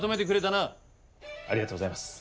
ありがとうございます。